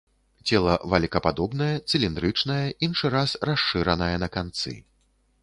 Цела валікападобнае, цыліндрычнае, іншы раз расшыранае на канцы.